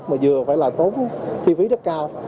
mà vừa phải là tốn thi phí rất cao